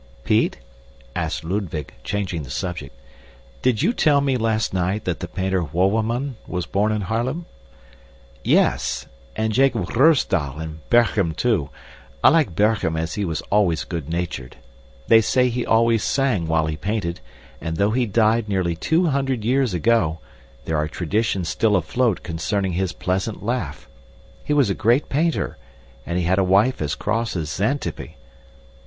"Pete," asked Ludwig, changing the subject, "did you tell me last night that the painter Wouwerman was born in Haarlem?" "Yes, and Jacob Ruysdael and Berghem too. I like Berghem because he was always good natured. They say he always sang while he painted, and though he died nearly two hundred years ago, there are traditions still afloat concerning his pleasant laugh. He was a great painter, and he had a wife as cross as Xantippe."